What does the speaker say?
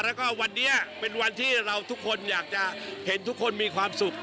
แล้วก็วันนี้เป็นวันที่เราทุกคนอยากจะเห็นทุกคนมีความสุข